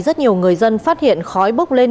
rất nhiều người dân phát hiện khói bốc lên